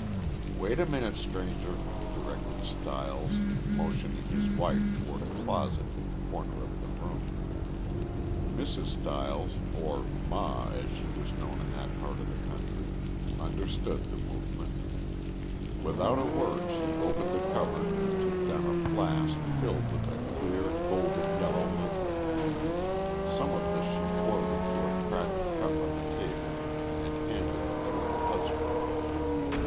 "Wait a minute, stranger," directed Stiles, motioning his wife toward a closet in the corner of the room. Mrs. Stiles or 'Ma,' as she was known in that part of the country understood the movement. Without a word she opened the cupboard and took down a flask filled with a clear golden yellow liquid. Some of this she poured into a cracked cup on the table and handed it to her husband.